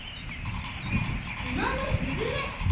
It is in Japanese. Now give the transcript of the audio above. うまのひづめ。